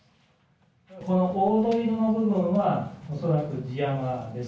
この黄土色の部分は、恐らく地山です。